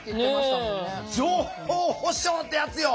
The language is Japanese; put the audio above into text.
情報保障ってやつよ。